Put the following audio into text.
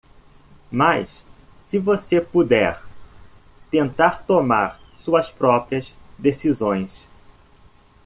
Mas? se você puder? tentar tomar suas próprias decisões.